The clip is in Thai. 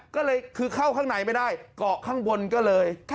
ก็เลยคือเข้าข้างในไม่ได้เกาะข้างบนก็เลย